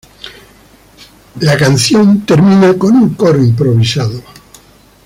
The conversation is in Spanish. La canción termina con un coro improvisado.